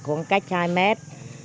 cũng cách hai mét